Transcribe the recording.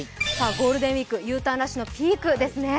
ゴールデンウイーク、Ｕターンラッシュのピークです。